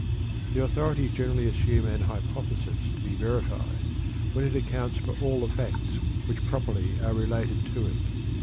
The authorities generally assume an hypothesis to be verified when it accounts for all the facts which properly are related to it.